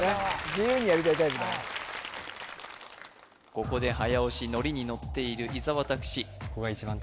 自由にやりたいタイプだからここで早押しノリにノッている伊沢拓司